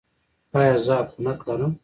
ایا زه عفونت لرم؟